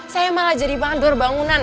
saya malah jadi pandur bangunan